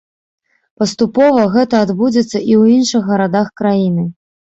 Паступова гэта адбудзецца і ў іншых гарадах краіны.